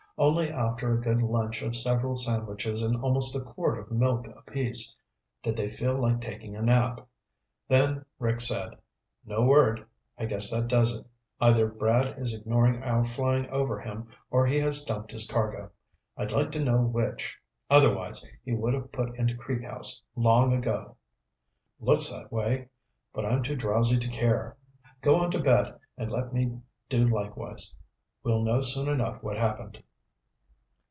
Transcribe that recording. Only after a good lunch of several sandwiches and almost a quart of milk apiece did they feel like taking a nap. Then Rick said, "No word. I guess that does it. Either Brad is ignoring our flying over him or he has dumped his cargo. I'd like to know which. Otherwise, he would have put into Creek House long ago." "Looks that way. But I'm too drowsy to care. Go on to bed and let me do likewise. We'll know soon enough what happened."